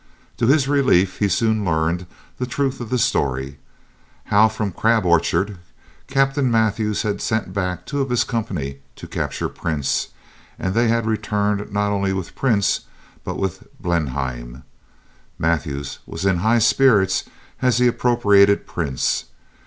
To his relief he soon learned the truth of the story, how from Crab Orchard Captain Mathews had sent back two of his company to capture Prince, and they had returned not only with Prince, but with Blenheim. Mathews was in high spirits as he appropriated Prince.